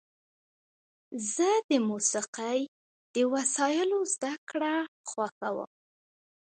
زه د موسیقۍ د وسایلو زدهکړه خوښوم.